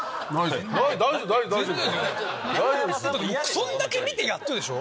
そんだけ見てやっとでしょ。